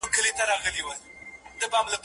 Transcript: جهاني وایه څه منتر دي په قلم کړی دی